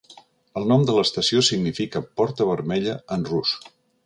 El nom de l'estació significa "Porta Vermella" en rus.